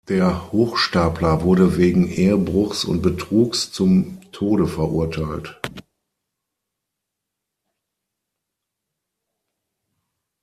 Der Hochstapler wurde wegen Ehebruchs und Betrugs zum Tode verurteilt.